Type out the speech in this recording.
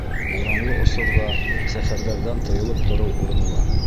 Буранлы осорҙа сәфәрҙәрҙән тыйылып тороу урынлы.